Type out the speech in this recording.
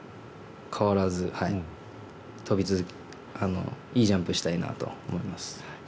変わらずいいジャンプしたいなと思います。